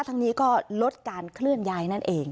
ทั้งนี้ก็ลดการเคลื่อนย้ายนั่นเอง